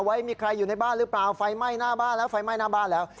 ไว้มีใครอยู่ในบ้านหรือเปล่าไฟไหม้หน้าบ้านแล้วไฟไหม้หน้าบ้านแล้ว